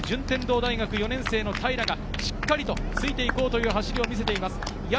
田中のペースに宗像、平がしっかりとついて行こうという走りを見せています。